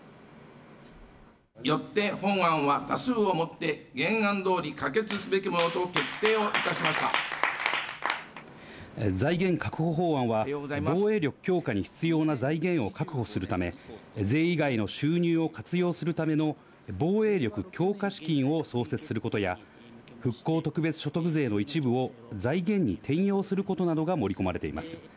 よって本案は多数をもって原案どおり可決すべきものと決定を財源確保法案は、防衛力強化に必要な財源を確保するため、税以外の収入を活用するための防衛力強化資金を創設することや、復興特別所得税の一部を財源に転用することなどが盛り込まれています。